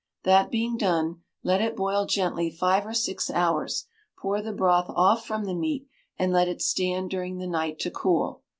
That being done, let it boil gently five or six hours, pour the broth off from the meat, and let it stand during the night to cool.